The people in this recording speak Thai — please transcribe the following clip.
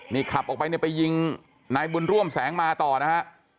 นี่ขับออกไปเนี่ยไปยิงนายบุญร่วมแสงมาต่อนะฮะ